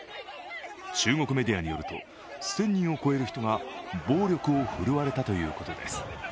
中国メディアによると、１０００人を超える人が暴力を振るわれたということです。